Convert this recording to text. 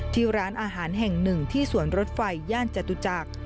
ที่ร้านอาหารแห่งหนึ่งที่สวนรถไฟย่านจตุจักร